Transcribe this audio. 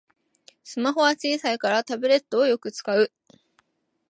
スマホは小さいからタブレットをよく使う